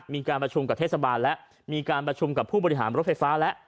มีการประชุมกับเทศบาลแล้วมีการประชุมกับผู้บริหารรถไฟฟ้าแล้ว